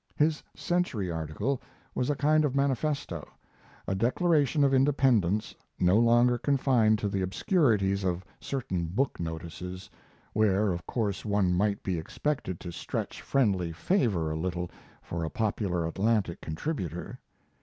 His Century article was a kind of manifesto, a declaration of independence, no longer confined to the obscurities of certain book notices, where of course one might be expected to stretch friendly favor a little for a popular Atlantic contributor.